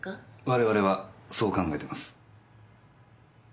我々はそう考えてます。